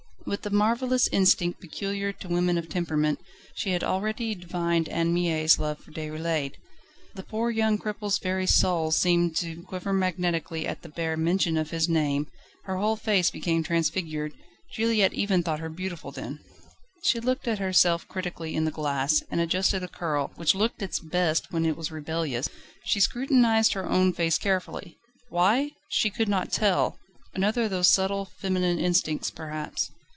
With the marvellous instinct peculiar to women of temperament, she had already divined Anne Mie's love for Déroulède. The poor young cripple's very soul seemed to quiver magnetically at the bare mention of his name, her whole face became transfigured: Juliette even thought her beautiful then. She looked at herself critically in the glass, and adjusted a curl, which looked its best when it was rebellious. She scrutinised her own face carefully; why? she could not tell: another of those subtle feminine instincts perhaps.